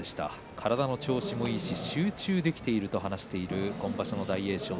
体の調子もいいし集中できているという今場所の大栄翔です。